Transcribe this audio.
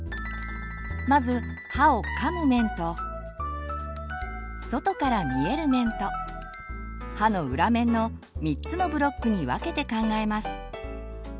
まず歯をかむ面と外から見える面と歯の裏面の３つのブロックに分けて考えます。